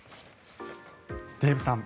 デーブさん